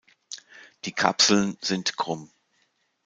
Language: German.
Die Kapseln sind krumm.